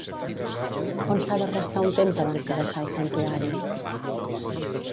On s'ha de restar un temps abans de baixar al santuari?